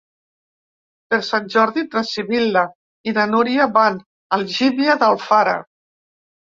Per Sant Jordi na Sibil·la i na Núria van a Algímia d'Alfara.